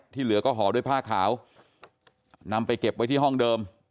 เหลือก็ห่อด้วยผ้าขาวนำไปเก็บไว้ที่ห้องเดิม